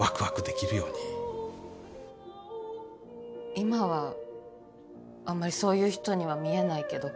今はあんまりそういう人には見えないけど。